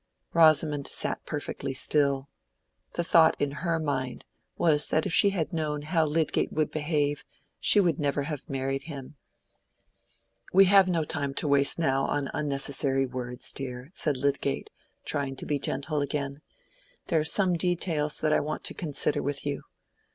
Rosamond sat perfectly still. The thought in her mind was that if she had known how Lydgate would behave, she would never have married him. "We have no time to waste now on unnecessary words, dear," said Lydgate, trying to be gentle again. "There are some details that I want to consider with you.